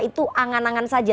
itu angan angan saja